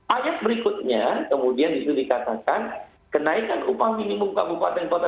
ayat berikutnya kemudian itu dikatakan kenaikan upah minimum kabupaten kota